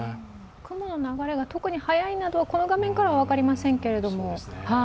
雲の流れが特に早いなどは、この画面からは分かりませんけど。